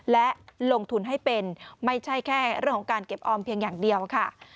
และลงทุนให้เป็นไม่ใช่แค่เรื่องของการเก็บออมเพียงอย่างเดียวค่ะ